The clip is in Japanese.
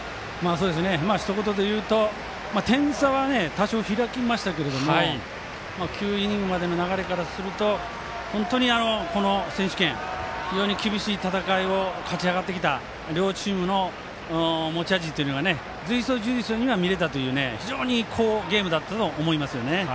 ひと言でいうと点差は多少、開きましたが９イニングまでの流れからすると本当に、この選手権、非常に厳しい戦いを勝ち上がってきた両チームの持ち味が随所随所に見れたという非常に好ゲームだったと思います。